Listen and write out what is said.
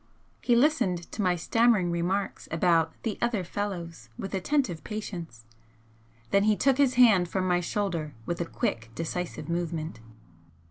He listened to my stammering remarks about 'the other fellows' with attentive patience, then he took his hand from my shoulder with a quick, decisive movement.